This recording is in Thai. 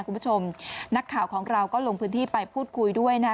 คุณผู้ชมนักข่าวของเราก็ลงพื้นที่ไปพูดคุยด้วยนะ